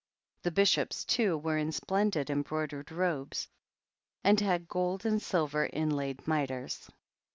The Bishops, too, were in splendid embroidered robes, and had gold and silver inlaid mitres.